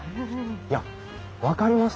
いや分かりましたよ。